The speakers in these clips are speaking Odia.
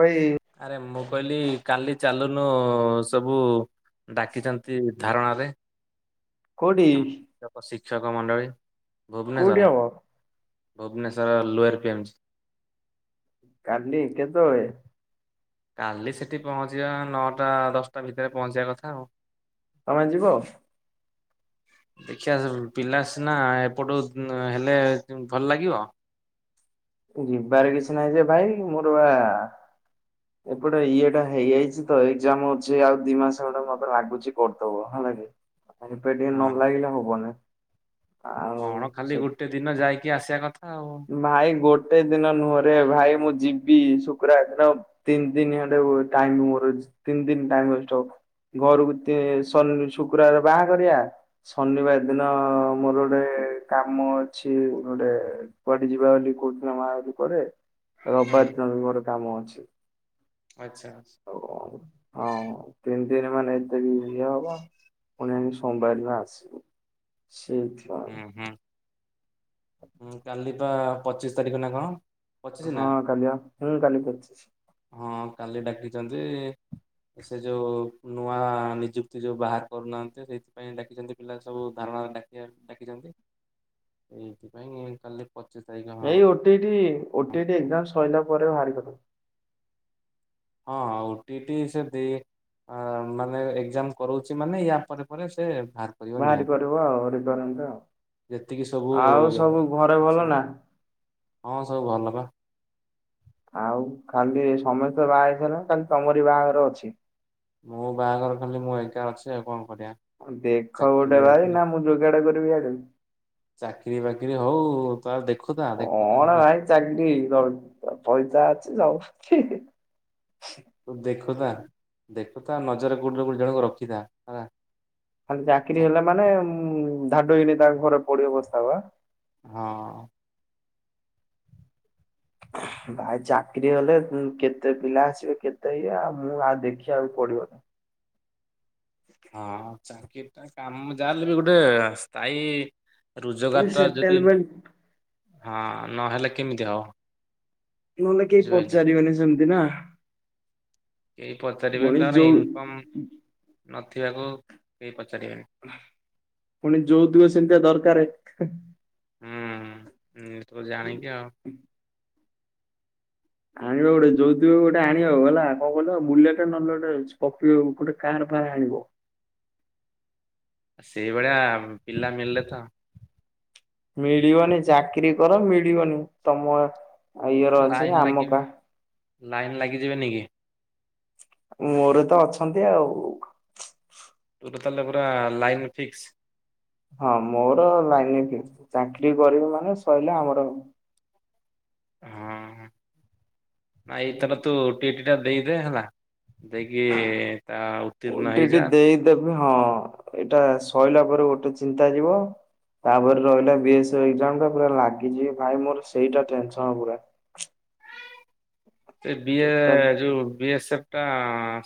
ଭାଇ। ଆରେ ମୁଁ କହିଲି କାଲି ଚାଲୁନ ସବୁ ଡାକିଚନ୍ତି। ଧାରଣାରେ କୋଉଠି ଆମ ଶିକ୍ଷକ ମଣ୍ଡଳୀ। କୋଉଠି ଭୁବନେଶ୍ଵର ହବ Bhubaneswar lower P M G. କାଲି କେତବେଳେ? କାଲି ସେଠି ପହଞ୍ଚିବା ନଅଟା ଦଶଟା ଭିତରେ ପହଞ୍ଚିବା କଥା ଆଉ। ତମେ ଯିବ? ଦେଖିବା ସବୁ ପିଲା ସିନା ଏପଟୁ ହେଲେ ଭଲ ଲାଗିବ। ଯିବାର କିଛି ନାହିଁ ଯେ ଭାଇ ମୋର ବା ଏପଟେ ଇଏଟା ହେଇଯାଇଛି ତ ଏକ୍ଜାମ ଅଛି ଆଉ ଦି ମାସ ଗଟେ ମତେ ଲାଗୁଛି କରିଦବ ହେଲା କି ସିନସିଅରଲି ନ ହଁ ଲାଗିଲେ ହବନି। ଆଉ କଣ ଖାଲି ସେ ଗୋଟେ ଦିନ ଯାଇକି ଆସିବା କଥା ଆଉ। ଭାଇ ଗୋଟେ ଦିନ ନୁହଁରେ ଭାଇ ମୁଁ ଯିବି ଶୁକ୍ରବାର ଦିନ। ତିନି ଦିନି ଖଣ୍ଡେ ଟାଇମ୍ ମୋର ତିନି ଦିନ ଟାଇମ୍ ୱେଷ୍ଟ ହବ। ଘରୁକୁ ତେ ଶନି ଶୁକ୍ରବାର ବାହାଘରିଆ। ଶନିବାର ଦିନ ମୋର ଗୋଟେ କାମ ଅଛି ଗୋଟେ। କୁଆଡେ ଯିବା ବୋଲି କହୁଥିଲ ମା ବୋଲି କରେ ହୁଁ ରବିବାର ଦିନ ବି ମୋର କାମ ଅଛି। ଆଚ୍ଛା ଆଚ୍ଛା। ଓ ହଁ। ତିନି ଦିନ ମାନେ ଏତକି ଇଏ ହବ ପୁଣି ସୋମବାର ଦିନ ଆସିବୁ। ସେଇଥିବ। ଉଁ ହୁଁ କାଲି ବା ପଚିଶ ତାରିଖ ନା କଣ? ପଚିଶି ନା ହଁ କାଲି ବା ହୁଁ କାଲି ପଚିଶ୍। ହଁ କାଲି ଡାକିଚନ୍ତି। ସେ ଯୋଉ ନୂଆ ନିଯୁକ୍ତି ଯୋଉ ବାହାର କରୁନାହାନ୍ତି ସେଇଥିପାଇଁ ଡାକିଛନ୍ତି। ପିଲା ସବୁ ଧାରଣାରେ ଡାକିଚନ ଡାକିଚନ୍ତି ଏଇଥିପାଇଁ କାଲି ପଚିଶ୍ ତାରିଖ। ହଁ ଏଇ ଓଟିଟି ଓଟିଟି ଏକ୍ଜାମ ସରିଲା ପରେ ବାହର କରିଦବ। ହଁ ଓଟିଟି ସେ ଦେ ଅ ମାନେ ଏକ୍ଜାମ୍ କରଉଚି ମାନେ ୟା ପରେ ପରେ ସେ ବା କରିବ ବାହାରି ନିହାତି କରିବ ଆଉ ରିକ୍ୱାରମେଣ୍ଟ ଆଉ। ଯେତିକି ସବୁ ଆଉ ସବୁ ଘରେ ଭଲ ଅଛି। ନା? ହଁ ସବୁ ଭଲ ବା ଆଉ ଖାଲି ସମସ୍ତେ ବାହା ହେଇସାରିଲେଣି ତମରି ବାହାଘର ଅଛି। ମୋ ବାହାଘର ଖାଲି ମୁଁ ଏକା ଅଛି ଆଉ କଣ କରିଆ? ଅଁ ଦେଖ ଗୋଟେ ଭାଇ ନା ମୁଁ ଯୋଗାଡ କରିବି ଆଡ଼ୁ। ଚାକିରୀ ବାକିରି ହଉ ତଉ ଦେଖୁଥା ଦେଖୁଥା କଣ ନା ଭାଇ ଚାକିରି ପଇସା ଅଛି ସବୁ ଅଛି ତୁ ଦେଖୁଥା ଦେଖୁଥା ନଜର କୋଉଠିର ଗୋଟେ ଜଣକୁ ରଖିଥା ହେଲା। ଖାଲି ଚାକିରି ହେଲା ମାନେ ଧାଡୁକିନି ତାଙ୍କ ଘରେ ପଡିବ ବସ୍ତାବ ଆଁ ହଁ [inaudible] ଭାଇ ଚାକିରି ହେଲେ କେତେ ପିଲା ଆସିବେ କେତେ ଇଏ ଆଉ ମୁଁ ଆଉ ଦେଖିବାକୁ ପଡିବନି। ହଁ ଚାକିରି ଟା କାମ ଯାଲେ ବି ଗୋଟେ ସ୍ଥାୟୀ ଗୋଟେ ରୋଜଗାର ଟା ଯଦି ସେଟେଲମେଣ୍ଟ ହଁ ନହେଲେ କେମିତି ହବ? ନହେଲେ କେହି ବୁଝିପାରିଲ ପଚାରିବେନି ସେମିତି ନା କେହି ପଚାରିବେନି ପୁଣି ତାର ଯୋଉ ଇନକମ୍ ନଥିବାକୁ କେହି ପଚାରିବେନି। ପୁଣି ଯୋଉତୁକ ସେମିତିଆ ଦରକାରେ। ହୁଁ ତୁ ଜାଣିକି ଆଉ ଆଣିବା ଗୋଟେ ଯୋଉତୁକ ଗୋଟେ ଆଣିବ ହେଲା କଣ କହ ବୁଲେଟେ ନହଲେ ଗୋଟେ ସ୍କର୍ପିଓ କାର୍ ଫାର୍ ଆଣିବ। ସେଇଭଳିଆ ପିଲା ମିଳିଲେ ତ ମିଳିବନି ଚାକିରୀ କର ମିଳିବନି ତମ ଇଏର ଅଛି ଆମ କା ଲାଇନ୍ ଲାଗିଯିବେନି କି? ମୋର ତ ଅଛନ୍ତି ଆଉ ତୁ ତାହେଲେ ପୁରା ଲାଇନ ଫିକ୍ସ୍। ହଁ ମୋର ଲାଇନ ଫିକ୍ସ୍ ଚାକିର କରିବି ମାନେ ସଇଲା ଆମର ହଁ ନାଇଁ ଏଥର ତୁ ଓ ଟି ଟି ଏଟା ଦେଇଦେ ହେଲା ଦେଇକି ତା ଉତ୍ତୀର୍ଣ୍ଣ ଗୋଟେଠି ହେଇଯା ଦେଇଦେବି ହଁ ଏଇଟା ସଇଲା ପରେ ଗୋଟେ ଚିନ୍ତା ଯିବ। ତାପରେ ରହିଲା ବିଏସ୍ଇ ଏକଜାମ୍ ଟା ପୁରା ଲାଗିକି ଭାଇ ମୋର ସେଇଟା ଟେନସନ୍ ପୁରା। ଏ ବି ଏ ଟୋଟାଲ ଯୋଉ ବି ଏସ୍ ଏଫ୍ ଟା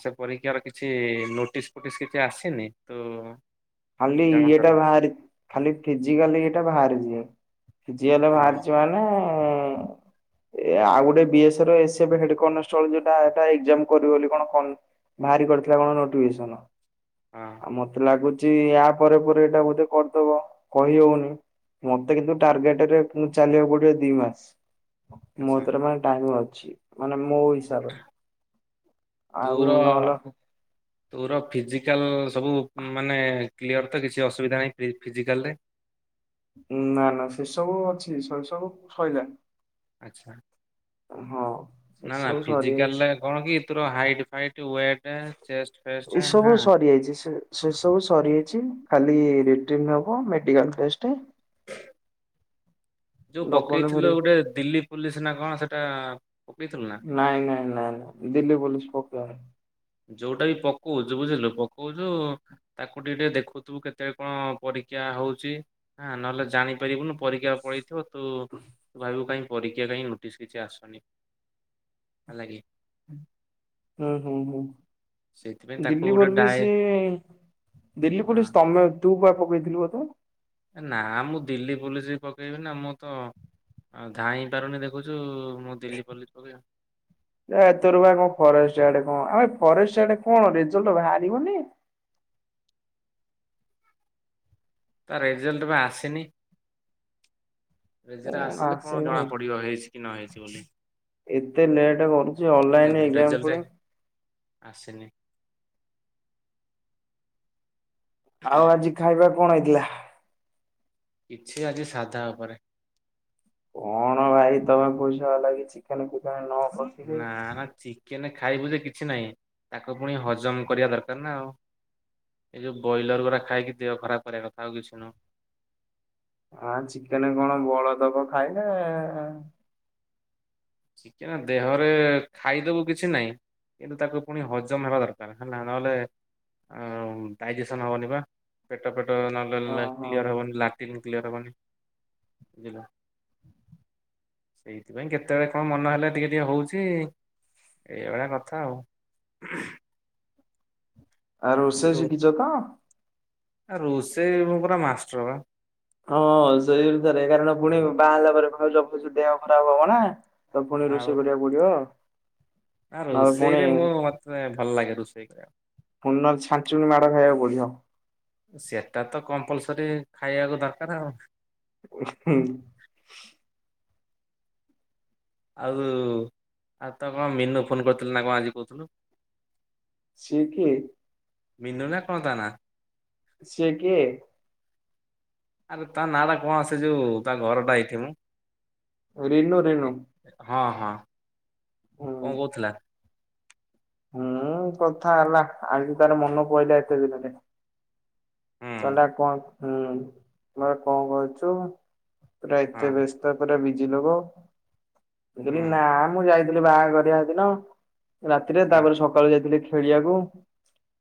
ସେ ପରୀକ୍ଷାର କିଛି ନୋଟିସ୍ ଫୋଟିସ୍ କିଛି ଆସିନି ତୋ ଖାଲି ଇଏଟା ବାହାରି ଖାଲି ଫିଜିକାଲି ଇଏଟା ବାହାରିଚି। ଜିଏ ହେଲେ ହଁ ବାହାରିଛି ମାନେ ଏ ଆଉ ଗୋଟେ ବିଏସଏଫ୍ କନେଷ୍ଟେବଲ୍ ଏଟା ଏକଜାମ୍ କରିବ ବୋଲି କଣ ବାହାରି କରିଥିଲା କଣ ନୋଟିଫିକେସନ୍ ହଁ ମତେ ଲାଗୁଛି ୟା ପରେ ପରେ ଏଇଟା ବୋଧେ କରିଦବ କହି ହଉନି। ମତେ କିନ୍ତୁ ଟାର୍ଗେଟ୍ ରେ ମୁ ଚାଲିବାକୁ ପଡିବ ଦି ମାସ୍। ମୋ ଆଚ୍ଛା ତରେ ମାନେ ଟାଇମ୍ ଅଛି ମାନେ ମୋ ହିସାବରେ ଆଉ ତୁର ନହେଲେ ତୋର ଫିଜିକାଲ୍ ସବୁ ମାନେ କ୍ଲିୟର୍ ତ କିଛି ଅସୁବିଧା ନାହିଁ ଫିଜିକାଲ୍ ରେ? ନା ନା ସେ ସବୁ ଅଛି ଶ ସବୁ ସଇଲା। ଆଚ୍ଛା। ହଁ ସେ ନା ନା ସବୁ ଫିଜିକାଲ୍ ସରିଯାଇଛି। ରେ କଣ କି ତୋର height fight weight chest fest ଟା ଏସବୁ ହଁ ସରିଯାଇଛି ସେ ସେ ସବୁ ସରିଯାଇଚି ଖାଲି ରିଟିନ୍ ହବ ମେଡିକାଲ୍ ଫେସ୍ ଟେ [inaudible] ଯୋଉ ଡକୁମେଣ୍ଟ ପକେଇଥିଲ ଭେରି ଗୋଟେ ଦିଲ୍ଲୀ ପୋଲିସ ନା କଣ ସେଟା ପକେଇଥିଲୁ ନାଇଁ ନାଇଁ ନାଇଁ ନାଇଁ ଦିଲ୍ଲୀ ପୋଲିସ ପକା ହେ ଯୋଉଟା ବି ପକଉଚୁ ବୁଝିଲୁ ପକଉଚୁ ତାକୁ ଟିକେ ଟିକେ ଦେଖୁଥିବୁ କେତେଳେ କଣ ପରୀକ୍ଷା ହଉଚି। ହଁ ନହେଲେ ଜାଣିପାରିବୁନୁ ପରୀକ୍ଷା ପଳେଇଥିବ ତୁ ଭାବିବୁ କାହିଁ ପରୀକ୍ଷା କାହିଁ ନୋଟିସ୍ କିଛି ଆସୁନି ହେଲା କିି। ହୁଁ ହୁଁ ହୁଁ। ସେଇଥିପାଇଁ ତାକୁ ଦିଲ୍ଲୀ ଗୋଟେ ଡାଏ ପୋଲିସି ଦିଲ୍ଲୀ ହଁ ପୋଲିସି ତମେ ତୁ ବା ପକେଇଥିଲୁ ବଧେ। ନା ମୁଁ ଦିଲ୍ଲୀ ପୋଲିସ ବି ପକେଇବି ନା ମୁଁ ତ ଅ ଧାଇଁ ପାରୁନି ଦେଖୁଛୁ ମୁଁ ଦିଲ୍ଲୀ ପୋଲିସ ପକେଇବି। ଏ ତୋର ବା କଣ ଫରେଷ୍ଟ ଗାର୍ଡ କଣ ଆମ ଫରେଷ୍ଟ ଗାର୍ଡ କଣ ରେଜଲ୍ଟ ବାହାରିବନି। ତା ରେଜଲ୍ଟ ବା ଆସିନି। ରେଜରେ ଆସିଲେ କଣ ଜଣା ପଡିବ ହେଇଛି କି ନ ହେଇଛି ବୋଲି। ଏତେ ଲେଟ୍ କରୁଚି ବୁଝିଲୁ ଅନଲାଇନ ଏକ୍ଜାମ ରେଜଲ୍ଟ ପୁଣି। ଆସିନି। ଆଉ ଆଜି ଖାଇବା କଣ ହେଇଥିଲା। କିଛି ଆଜି ସାଧା ଉପରେ। କଣ ଭାଇ ତମେ ପଇସା ବାଲା ହେଇକି ଚିକେନ ଫିକେନ ନ କଷିକି ନା ନା ଚିକେନ ଖାଇବୁ ଯେ କିଛି ନାହିଁ ତାକୁ ପୁଣି ହଜମ କରିବା ଦରକାର ନା ଆଉ। ଏ ଯୋଉ ବ୍ରଏଲର ଗୁରା ଖାଇକି ଦେହ ଖରାପ କରିବା କଥା ଆଉ କିଛି ନୁହଁ। ହଁ ଚିକେନ କଣ ବଳଦବ ଖାଇଲେ। ଚିକେନ ଦେହରେ ଖାଇଦବୁ କିଛି ନାହିଁ। କିନ୍ତୁ ତାକୁ ପୁଣି ହଜମ ହେବା ଦରକାର ହେଲା ନହେଲେ ଆ ଡାଇଜେସନ ହବନି ବା ପେଟ ପେଟ ନହଲେ ଓହୋ। କ୍ଲିୟର ହବନି ଲାଟିନ୍ କ୍ଲିୟର ହବନି ବୁଝିଲ ଏଇଥିପାଇଁ କେ ତେବେଳେ କଣ ମନ ହେଲେ ଟିକେ ଟିକେ ହଉଚି ଏଇଭଳିଆ କଥା ଆଉ। ଆ ରୋଷେଇ ଶିଖିଛ ତ ଆ ରୋଷେଇ ମୁଁ ପୁରା ମାଷ୍ଟର ବା। ହଁ ସେଇ ଅନୁସାରେ କାରଣ ପୁଣି ବାହାହେଲା ପରେ ଭାଉଜ ଫାଉଜ ଦେହ ଖରାପ ହବ ନା। ତ ପୁଣି ଆଉ। ରୋଷେଇ କରିବାକୁ ପଡିବ। ନା ନହେଲେ ପୁଣି ରୋଷେଇରେ ମୁଁ ମତେ ଭଲ ଲାଗେ ରୋଷେଇ କରିବାକୁ। ପୁଣି ନ ଛାଞ୍ଚୁଣି ମାଡ଼ ଖାଇବାକୁ ପଡିବ। ସେଟା ତ କମ୍ପଲସରୀ ଖାଇବାକୁ ଦରକାର ଆଉ। ହୁଁ। ଆଉ ଆଜି ତ କଣ ମିନୁ ଫୋନ କରିଥିଲେ ନା କଣ ଆଜି କହୁଥିଲୁ। ସିଏ କିଏ। ମିନୁ ନା କଣ ତା ନାଁ। ସିଏ କିଏ। ଆରେ ତା ନାଁଟା କଣ ସେ ଯୋଉ ତା ଘରଟା ଏଇଠି ମ। ରିନୁ ରିନୁ। ହଁ ହଁ କଣ ହୁଁ। କହୁଥିଲା। ହୁଁ କଥା ହେଲା ଆଜି ତାର ମନ ପଇଲା ଏତେ ଦିନରେ। ହୁଁ କଇଲା କଣ ହୁଁ କଇଲା କଣ କରୁଚୁ ପୁରା ଏତେ ହଁ ବେସ୍ ସ୍ତ ପୂରା ବିଜି ଲୋକ ମୁଁ କହିଲି ହୁଁ ନା ମୁଁ ଯାଇଥିଲି ବାହାଘରିଆ ହେଦିନ ରାତିରେ ହଁ ତାପରେ ସ କାଳୁ ଯାଇଥିଲି ଖେଳିବାକୁ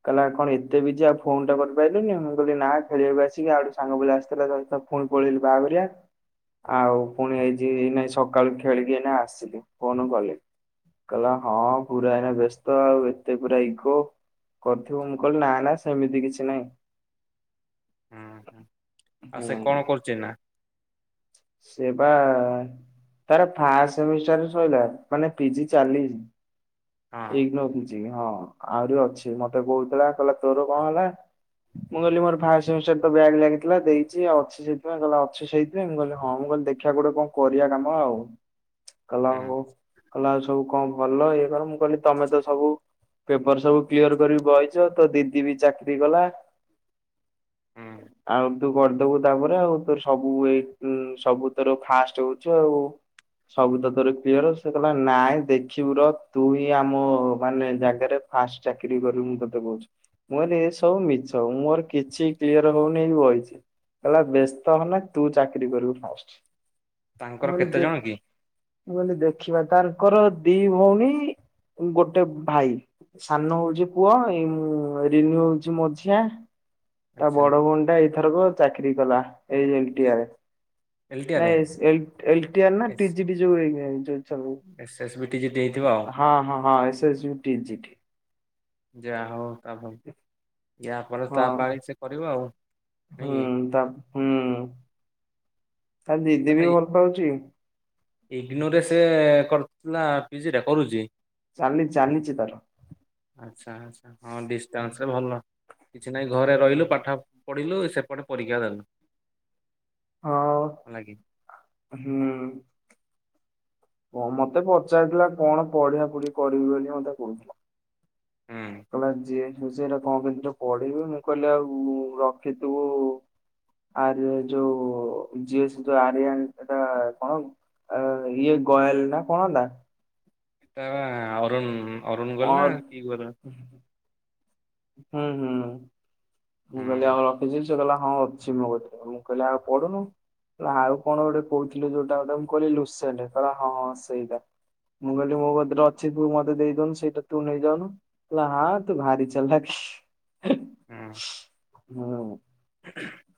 କଇଲା କଣ ଏତେ ବିଜି ଆଉ ଫୋନ ଟା କରିପାଉଲୁନି। ମୁଁ କହିଲି ନା ଖେଳିବାକୁ ଆସିକି ଆଉଠେ ସାଙ୍ଗ ପିଲା ଆସିଥିଲା ପୁଣି ପଳେଇଲି ବାହାଘରିଆ। ଆଉ ପୁଣି ଏଇଛି ଏନାଇ ସକାଳୁ ଖେଳିକି ଏଇନା ଆସିଲି ଫୋନ୍ କଲି। କଇଲା ହଁ ପୁରା ଏଇନା ବ୍ୟସ୍ତ ଆଉ ଏତେ ପୁରା ଇଗୋ। କରିଥିବ ମୁଁ କହିଲି ନା ନା ସେମିତି କିଛି ନାହିଁ। ହୁଁ ଆଉ ସେ ହୁଁ। କଣ କରୁଛି ଏନା? ସେ ବା ତାର ଫାଷ୍ଟ ସେମିଷ୍ଟର ଶୋଇଲା ମାନେ ପିଜି ଚାଲି ହଁ ଏଇ ନଖୁଛି ହଁ ଆହୁରି ଅଛି ମତେ କହୁଥିଲା କହିଲା ତୋର କଣ ହେଲା? ମୁଁ କହିଲି ମୋର ଫାଷ୍ଟ ସେମିଷ୍ଟାର ବ୍ୟାଗ ଲାଗିଥିଲା ଦେଇଛି ଆଉ ଅଛି ସେଇଥିପାଇଁ କହିଲା ଅଛୁ ସେଇ ମୁଁ କହିଲି ହଁ ମୁଁ କହିଲି ଦେଖିବା କୋଉଠି କଣ କରିବା କାମ ଆଉ। କହିଲା ହୁଁ ହୋଉ କହିଲା ଆଉ ସବୁ ଭଲ ଇଏ କର କହିଲି ତମେ ତ ସବୁ ପେପର ସବୁ କ୍ଲିୟର କରିକି ବହିଛ ତୋ ଦିଦି ବି ଚାକିରରି କଲା? ହୁଁ ଆଉ ତୁ କରିଦବୁ ତାପରେ ଆଉ ତୋର ସବୁ ସବୁ ଏ ଇ ତୋର ଫାଷ୍ଟ ହଉଛି ଆଉ। ସବୁ ତୋର କ୍ଲିୟର ସେ କହିଲା ନାଇଁ ଦେଖିବୁ ରହ? ତୁ ହିଁ ଆମ ମାନେ ଜାଗାରେ ଫାଷ୍ଟ ଚାକିରି କରିବୁ ମୁଁ ତତେ କହୁଛି। ମୁଁ କହିଲି ସବୁ ମିଛ ମୋର କିଛି କ୍ଲିୟର ହଉନି ବହିଛି। ହେହଲା ବ୍ୟସ୍ତ ହୋନା ତୁ ଚାକିରି କରିବକୁ ଫାଷ୍ଟ। ମୁ ତାଙ୍କର କହିଲି କେତେ ଦେଖି ଜଣ କି ମୁ କହିଲି ଦେଖିବା ତାଙ୍କର ଦି ଭଉଣୀ। ଗୋଟେ ଭାଇ। ସାନ ହଉଛି ପୁଅ ଏ ରିନୁ ହଉଛି ମଝିଆ। ତା ଆଚ୍ଛା ବଡ ଭଉଣୀ ଟା ଏଇଥରକ ଚାକିରୀ କଲା। ଏଲ କି ଟିର ଏଲଟିଆରେ ନାଇଁ ଲଟିର ଟିଜି [unintelligible] ଏସଏସ୍ ବି ଟିଜିଟ୍ ନେଇଥିବ ଆଉ? ହଁ S S U T G T ଯାହା ହୋଉ [inaudible] ଯାହା ଫଳରେ ହଁ ତା ପାଇଁ କରିବ। ନାଇଁ ହୁଁ କି ତା ହୁଁ ତା ଦିଦି ବି ତାହେଲେ ଭଲ ପାଉଛି? ଇଗ୍ନୋରେ ସେ କରଥିଲା ପିଜି ଟା କରୁଛି। ଚାଲି ଚାଲିଛି ତାର। ଆଛା ଆଛା ହଁ ଡିଷ୍ଟାନ୍ସରେ ଭଲ କିଛି ନାହିଁ ଘରେ ରହିଲୁ ହୁଁ। ପାଠ ପଢିଲୁ ସେପଟେ ପରୀକ୍ଷା ଦେଲୁ। ହଁ ହେଲା କି ହୁଁ। ହଁ ମତେ ପଚାରିଥିଲା କଣ ପଢିଆ ପଢି କରିବି ବୋଲି ମତେ କହୁଥିଲା। ହୁଁ। କହିଲା ଯିଏ ସେଇଟା କଣ କେମିତିରେ ପଢିବି ମୁଁ କହିଲି ଆଉ ରଖିଥିବୁ ଆରେ ଯୋଉ ଯିଏ ଯୋ ଆରିଆ ସେଟା କଣ? ଅ ଇଏ ଗୟାଲେ ନା କଣ ଟା? ତ ଅରୁଣ ଅରୁଣ ଗଲ ନା ଅର୍ କିଏ ଗ ହୁଁ ହୁଁ ମୁଁ ହୁଁ କହଲି ଆମର ଅଫିଛି ସେ କହିଲା ହଁ ଅଛି ମୋ କତିରେ ମୁଁ କହିଲେ ହଁ ଆଉ ପଢୁନୁ? କହିଲା ଆଉ କଣ ଗୋଟେ କହୁଥିଲୁ ଯୋଉଟା ଗୋଟେ ମୁଁ କହିଲି ଲୁସେଣ୍ଟ ହଁ ହଁଁ ସେଇଟା। ମୁଁ କହିଲି ମୋ କତିରେ ଅଛି ତୁ ମତେ ଦେଇଦଉନୁ ସେଇଟା ତୁ ନେଇଯାଉନୁ କହିଲା ତୁ ଭାରି ଚାଲାଖି। ହୁଁ। ହୁଁ। [unintelligible]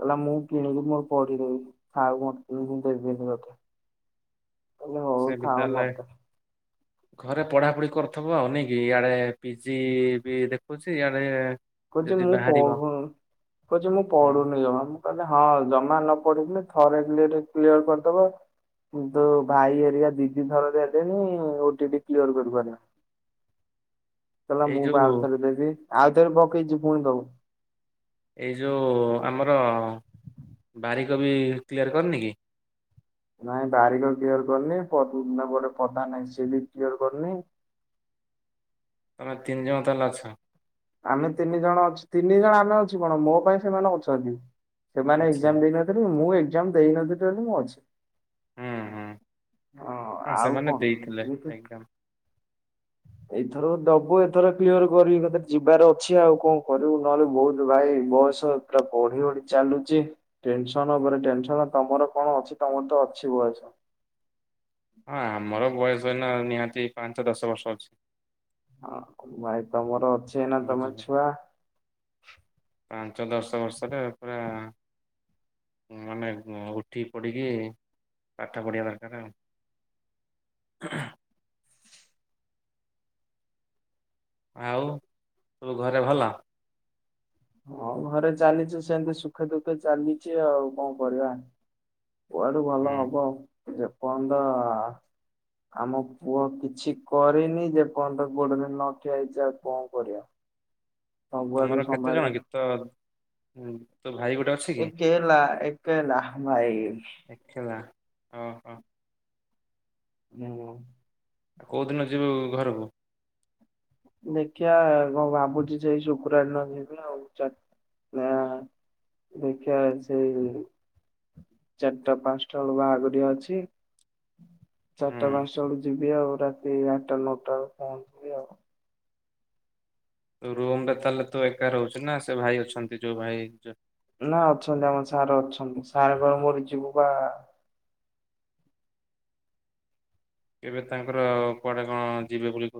କହିଲା ମୁଁ କିଣିକି ମୋର ପଢିଦେବି [unintelligible] [unintelligible] ଆଉ ଦେବିନି ତତେ। କହିଲି ହଉ ସେ ବି ଥାଉ ତାହେଲେ ନଦେ ଘରେ ପଢାପଢି କରୁଥିବ ନାଇକି ଏଆଇଡେ ପିଜି ବି ଦେଖୁଛି ଇଆଡେ କହୁଛି ଯଦି ମୁଁ ବାହାରିବ ପଢୁନି କହୁଛି ମୁଁ ହଁ ପଢୁନି ଜମା। ହଁ ଜମା ନ ପଢି ଥରେ [unintelligible] କରିଦବା। କିନ୍ତୁ ଭାଇ ଏରିକା ଦି ଦି ଥରକେ ହେଲେଣି ଓଟି କିଲି ୟାର କରିପାରୁନାହାନ୍ତି। କହିଲା ଏଇ ମୁଁ ଯୋଉ ଆଉ ଥରେ ଦେବି ଆଉଥରେ ପକେଇଛି ପୁଣି ଦବ। ଏଇ ଯଉଁ ଆମର ବାରିକ ବି କ୍ଲିୟର କରିନି କି? ନାଇଁ ବାରିକ କ୍ଲିଅର କରିନି ଗୋଟେ ପ୍ରଧାନ ନାହିଁ ସେ ବି କ୍ଲିଅର କରିନି। ତମେ ତିନିଜଣ ତାହେଲେ ଅଛ। ଆମେ ତିନି ଜଣ ଅଛ ତିନି ଜଣ ଆମେ ଅଛୁ କଣ ମୋ ପାଇଁ ସେମାନେ ଅଛନ୍ତି ସେମାନେ ଆଚ୍ଛା ଏକ୍ଜାମ ଦେଇନହନ୍ତି। ମୁଁ ଏଗଜାମ ଦେଇ ନଥିଲି ବୋଲି ମୁଁ ଅଛି। ହୁଁ ହୁଁ। ହଁ ଆଉ ସେମାନେ କଣ? ଦେଇଥିଲେ ଏତି ଏକ୍ଜାମ ଏଇଥର ଦବୁ ଏଥର କ୍ଲିୟର କରିବି କତେ ଯିବାର ଅଛି ଆଉ କଣ କରିବୁ ନହେଲେ ବହୁତ ଭାଇ ବୟସ ପା ବଢି ବଢି ଚାଲୁଛି। ଟେନସନ ଉପରେ ଟେନସନ ତମର କଣ ଅଛି ତମର ତ ଅଛି ବୟସ। ହଁ ଆମର ବୟସ ଏନା ନିହାତି ପାଞ୍ଚଦଶ ବର୍ଷ ଅଛି। ହଁ ଭାଇ ତମର ଅଛି। ଏଇନା ତମେ ବୁଝିଲେ ଛୁଆ ପାଞ୍ଚ ଦଶ ବର୍ଷରେ ପୁରା। ମାନେ ଉଠିକି ପଡ଼ିକି ପାଠ ପଢ଼ିବା ଦରକାର ଆଉ। ହ ଆଉ ସବୁ ଘରେ ଭଲ? ହଁ ଘରେ ଚାଲିଛି ସେମିତି ସୁଖେ ଦୁଃଖେ ଚାଲିଛି ଆଉ କଣ କରିବା। କୁଆଡୁ ଭଲ ହୁଁ ହବ ଯେପର୍ଯ୍ୟନ୍ତ। ଆମ ପୁଅ କିଛି କରିନି ଯେ ପଣ ତ ଗୋଡ଼ରେ ଦିନ ନଠିଆ ହେଇଛି ଆଉ କଣ କରିବା। ସବୁଆଡୁ ତମର କେତେ ଜଣ ସମ୍ଭାଳିବାକୁ ଗୀତ ତୋ ଭାଇ ଗୋଟେ ଅଛି କି ଏକେଲା ଏକେଲା ଭାଇ। ଏ ଖେଲା ଓ ହ। ହୁଁ। ଆଉ କୋଉଦିନ ଯିବୁ ଘରକୁ? ଦେଖିଆ କଣ ଭାବୁଛି ଯେ ସେଇ ଶୁକ୍ରାର ଦିନ ଯିବି ଆଉ। ଦେଖିଆ ଯେ ଚାରିଟା ପାଞ୍ଚଟା ବେଳକୁ ବାଆଗରିଆ ଅଛି। ହୁଁ ଚାରିଟା ପାଞ୍ଚଟା ବେଳକୁ ଯିବି ଆଉ ରାତି ଆଠଟା ନଅଟା ବେଳେ ପହଞ୍ଚିବି ଆଉ। ରୁମଟା ତାହେଲେ ତୁ ଏକା ରହୁଚ ନା ସେ ଭାଇ ଅଛନ୍ତି ଯୋଉ ଭାଇ ନା ଅଛନ୍ତି ଆମର ସାର୍ ଅଛନ୍ତି ସାର୍ ଙ୍କର ମୋରି ଯିବୁ ବା ଏବେ ତାଙ୍କର କୁଆଡେ କଣ ଯିବେ ବୋଲି କହୁ